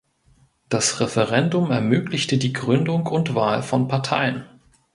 Das Referendum ermöglichte die Gründung und Wahl von Parteien.